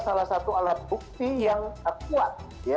salah satu alat bukti yang kuat